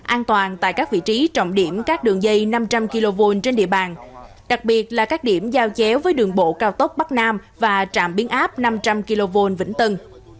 an toàn tại các vị trí trọng điểm các đường dây năm trăm linh kv trên địa bàn đặc biệt là các điểm giao chéo với đường bộ cao tốc bắc nam và trạm biến áp năm trăm linh kv vĩnh tân